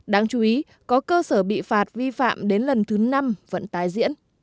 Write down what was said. đáng chú ý có cơ sở bị phạt vi phạm đến lần thứ năm vẫn tái diễn